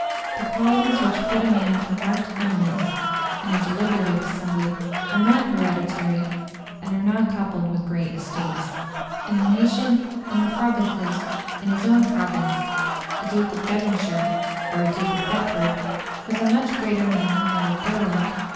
The qualities which fit a man for marked eminence, in a deliberative assembly, are not hereditary, and are not coupled with great estates. In the nation, in the provinces, in his own province, a Duke of Devonshire, or a Duke of Bedford, was a much greater man than Lord Thurlow.